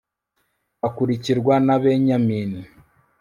bakurikirwa na benyamini